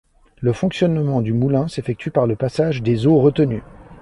Le fonctionnement du moulin s'effectue par le passage des eaux retenues.